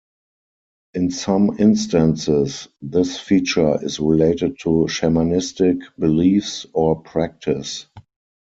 In some instances, this feature is related to shamanistic beliefs or practice.